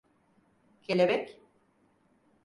Kelebek?